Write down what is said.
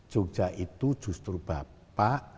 jogja itu justru bapak